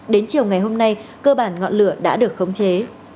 đến chiều ngày hôm nay cơ bản ngọn lửa đã được khống chế